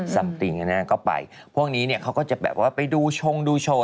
สัมติงอันนี้ก็ไปพวกนี้เนี่ยเขาก็จะแบบว่าไปดูช่องดูโชว์